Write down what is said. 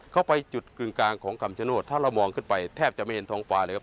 ไปจุดกึ่งกลางของคำชโนธถ้าเรามองขึ้นไปแทบจะไม่เห็นท้องฟ้าเลยครับ